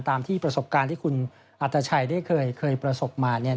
ตามที่ประสบการณ์ที่คุณอัตชัยได้เคยประสบมาเนี่ย